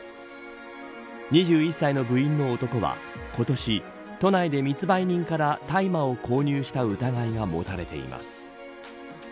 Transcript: ２１歳の部員の男は、今年都内で密売人から大麻を購入した疑いが持たれています。